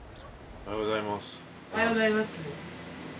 おはようございます。